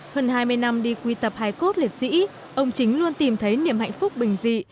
hơn hai mươi năm đi quy tập hài cốt liệt sĩ ông chính luôn tìm thấy niềm hạnh phúc bình dị